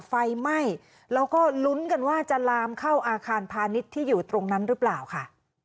ไฟไหม้แล้วก็ลุ้นกันว่าจะลามเข้าอาคารพาณิชย์ที่อยู่ตรงนั้นหรือเปล่าค่ะ